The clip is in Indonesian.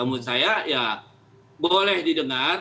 menurut saya ya boleh didengar